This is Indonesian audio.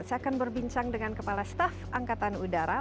saya akan berbincang dengan kepala staf angkatan udara